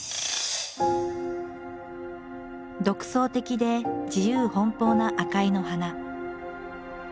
独創的で自由奔放な赤井の花。